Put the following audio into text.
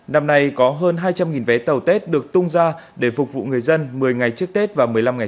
năm nay có hơn hai trăm linh vé tàu tết được tung ra để phục vụ người dân một mươi ngày trước tết và một mươi năm ngày